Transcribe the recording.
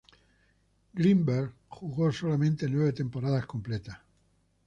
Greenberg jugó solamente nueve temporadas completas.